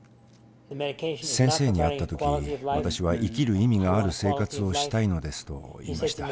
先生に会った時私は「生きる意味がある生活をしたいのです」と言いました。